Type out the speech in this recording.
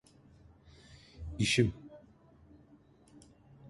İşim…